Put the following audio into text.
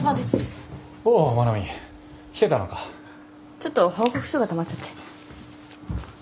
ちょっと報告書がたまっちゃって。